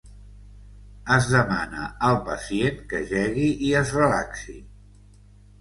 Es demana al pacient que jegui i es relaxi.